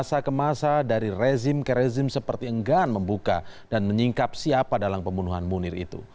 seperti enggan membuka dan menyingkap siapa dalam pembunuhan munir itu